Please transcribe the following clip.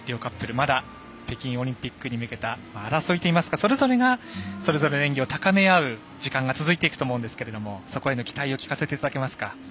まだ北京オリンピックに向けた争いといいますかそれぞれがそれぞれの演技を高め合う時間が続いていくと思うんですけどそこへの期待を聞かせていただけますか。